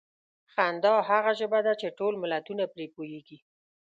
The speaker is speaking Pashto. خندا هغه ژبه ده چې ټول ملتونه پرې پوهېږي.